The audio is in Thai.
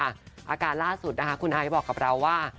อาการล่าสุดนะคะคุณไอซ์บอกกับเราว่า